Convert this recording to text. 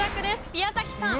宮崎さん。